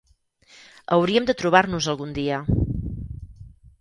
Hauríem de trobar-nos algun dia.